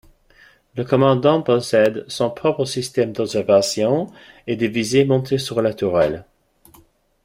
Le commandant possède son propre système d'observation et de visée monté sur la tourelle.